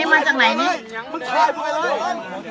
พ่อหนูเป็นใคร